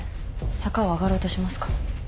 坂を上がろうとしますか？